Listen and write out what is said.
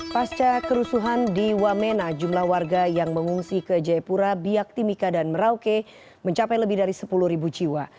pasca kerusuhan di wamena jumlah warga yang mengungsi ke jayapura biak timika dan merauke mencapai lebih dari sepuluh jiwa